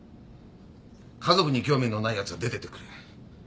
家族に興味のないやつは出てってくれ。